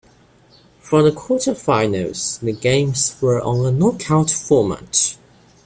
From the quarter finals, the games were on a knockout format.